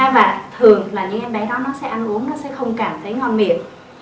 và thường là những em bé đó nó sẽ ăn uống nó sẽ không cảm thấy ngon miệng